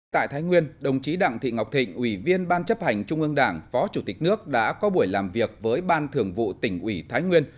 tại thái nguyên đồng chí đặng thị ngọc thịnh ủy viên ban chấp hành trung ương đảng phó chủ tịch nước đã có buổi làm việc với ban thường vụ tỉnh ủy thái nguyên